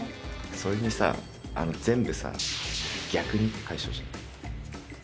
それにさ全部さ「逆に」って返してほしいんだ。